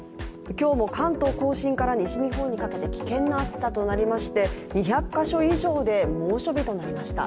今日も関東甲信から西日本にかけて危険な暑さとなりまして２００カ所以上で猛暑日となりました。